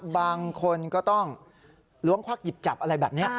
บางคนก็ต้องล้วงควักหยิบจับอะไรแบบนี้